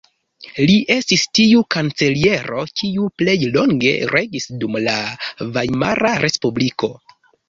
Li estis tiu kanceliero kiu plej longe regis dum la Vajmara Respubliko.